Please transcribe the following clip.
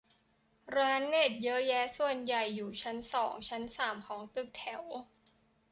ร้านเน็ตเยอะแยะ ส่วนใหญ่อยู่ชั้นสองชั้นสามของตึกแถว